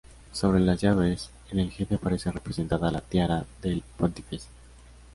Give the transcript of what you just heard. Sobre las llaves, en el jefe aparece representada la tiara del pontífice.